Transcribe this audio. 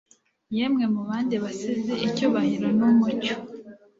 Yemwe mu bandi basizi icyubahiro n'umucyo